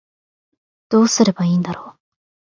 どうすればいいんだろう